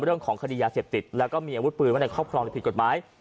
เรื่องของคดียาเสพติดแล้วก็มีอาวุธปืนไว้ในครอบครองหรือผิดกฎหมาย